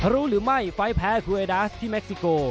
รู้หรือไม่ไฟล์แพ้ครูเอดาสที่เม็กซิโก